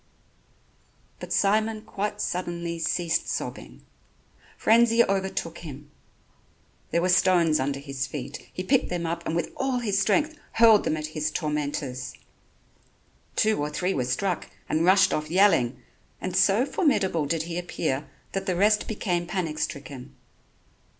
But Simon quite suddenly ceased sobbing. Frenzy overtook him. There were stones under his feet, he picked them up and with all his strength hurled them at his tormentors. Two or three were struck and rushed off yelling, and so formidable did he appear that the rest became panic stricken.